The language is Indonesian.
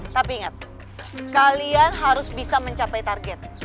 tapi ingat kalian harus bisa mencapai target